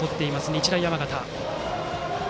日大山形。